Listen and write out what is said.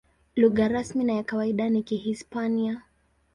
Lugha rasmi na ya kawaida ni Kihispania.